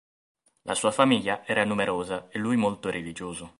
La sua famiglia era numerosa e lui molto religioso.